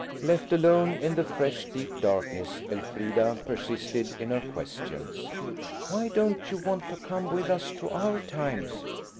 Left alone in the fresh, deep darkness, Elfrida persisted in her questions. "Why don't you want to come with us to our times?"